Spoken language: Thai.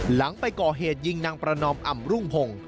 หลังไปก่อเหตุยิงนางประนอมอำรุ่งพงศ์